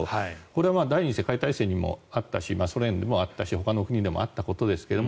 これは第２次世界大戦にもあったしソ連でもあったしほかの国でもあったことですけど